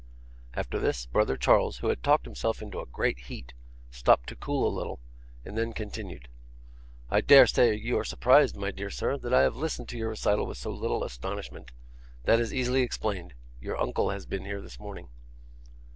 After this, brother Charles, who had talked himself into a great heat, stopped to cool a little, and then continued: 'I dare say you are surprised, my dear sir, that I have listened to your recital with so little astonishment. That is easily explained. Your uncle has been here this morning.